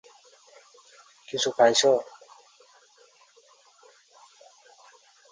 পথে তীব্র ঠান্ডায়, কলেরা ও ক্ষুধায় তাদের সাথী কমিউনিস্ট নেতা গোবিন্দ ব্যানার্জী মারা যান।